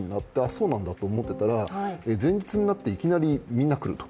そうなんだと思っていたら、前日になっていきなりみんな来ると。